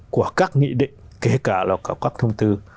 của các nghị định kể cả là cả các thông tư